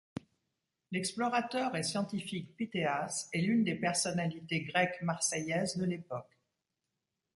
L’explorateur et scientifique Pytheas est l’une des personnalités grecques marseillaises de l’époque.